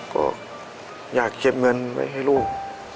ก็อยากเก็บเงินไว้ให้ลูก